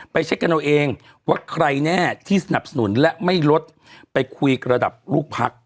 เช็คกันเอาเองว่าใครแน่ที่สนับสนุนและไม่ลดไปคุยระดับลูกพัก